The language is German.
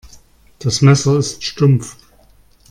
Das Messer ist stumpf.